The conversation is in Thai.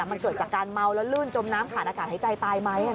มันเกิดจากการเมาแล้วลื่นจมน้ำขาดอากาศหายใจตายไหม